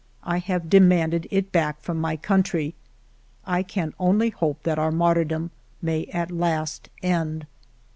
I have demanded it back from my country. I can only hope that our martyrdom may at last end.